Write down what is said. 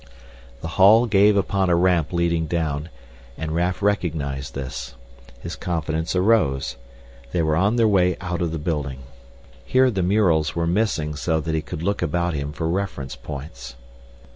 The hall gave upon a ramp leading down, and Raf recognized this. His confidence arose. They were on their way out of the building. Here the murals were missing so that he could look about him for reference points.